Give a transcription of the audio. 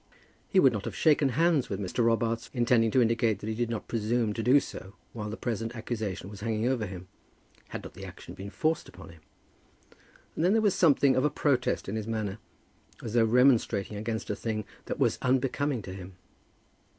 He would not have shaken hands with Mr. Robarts, intending to indicate that he did not presume to do so while the present accusation was hanging over him, had not the action been forced upon him. And then there was something of a protest in his manner, as though remonstrating against a thing that was unbecoming to him.